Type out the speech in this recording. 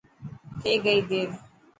ٿي گئي دير.